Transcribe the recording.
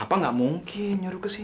pak pak gak mungkin nyuruh kesini